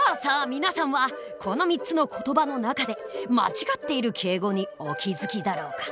皆さんはこの３つの言葉の中で間違っている敬語にお気付きだろうか？